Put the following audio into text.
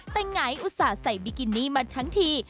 แต่ไงอุตส่าห์ใส่บิกินี่มาทั้งที